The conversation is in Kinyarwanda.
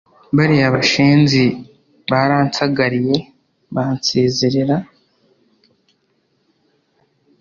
bariya bashenzi baransagariya bansezerera ."